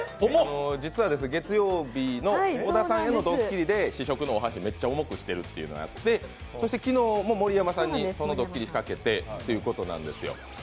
実は月曜日の小田さんへのドッキリで試食のお箸、めっちゃ重くなってるってのをやってそして昨日も盛山さんに、そのドッキリ仕掛けてということなんですよ。